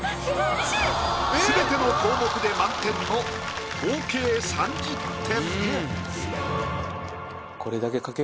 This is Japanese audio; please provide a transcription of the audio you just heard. すべての項目で満点の合計３０点。